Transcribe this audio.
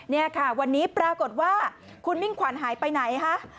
นี่ค่ะวันนี้ปรากฏว่าคุณมิ่งขวัญหายไปไหนคะ